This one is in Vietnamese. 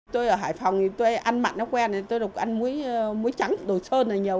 tôi ở hải phòng tôi ăn mặn nó quen tôi đục ăn mối trắng đồ sơn là nhiều